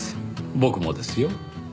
僕もですよ。